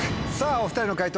お２人の解答